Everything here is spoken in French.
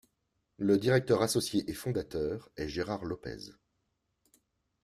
Le directeur associé et fondateur est Gérard Lopez.